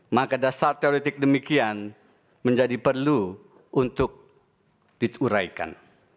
maka dasar teoretik demikian menjadi perlu untuk dituraikan